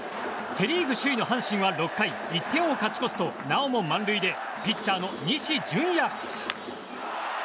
セ・リーグ首位の阪神は６回、１点を勝ち越すとなおも満塁でピッチャーの西純矢。